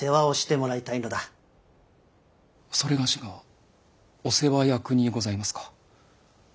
それがしがお世話役にございますか。